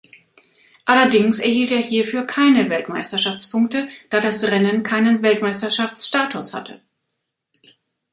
Allerdings erhielt er hierfür keine Weltmeisterschaftspunkte, da das Rennen keinen Weltmeisterschaftsstatus hatte.